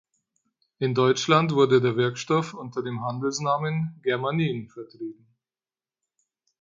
In Deutschland wurde der Wirkstoff unter dem Handelsnamen "Germanin" vertrieben.